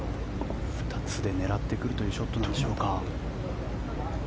２つで狙ってくるというショットなのでしょうか。